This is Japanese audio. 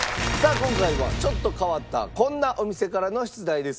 今回はちょっと変わったこんなお店からの出題です。